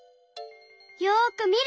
よくみる！